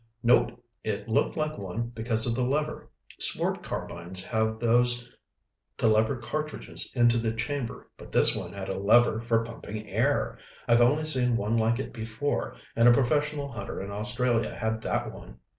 "Nope. It looked like one because of the lever. Sport carbines have those to lever cartridges into the chamber. But this one had a lever for pumping air. I've only seen one like it before, and a professional hunter in Australia had that one.